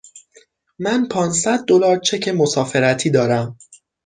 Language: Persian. من پانصد دلار چک مسافرتی دارم.